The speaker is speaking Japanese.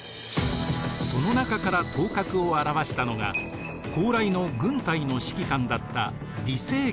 その中から頭角を現したのが高麗の軍隊の指揮官だった李成桂でした。